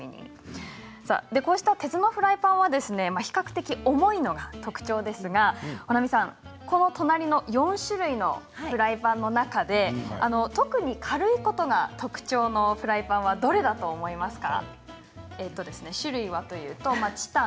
こうした鉄のフライパンは比較的重いのが特徴ですが保奈美さん隣の４種類のフライパンの中で特に軽いことが特徴のフライパンはどれだと思いますか。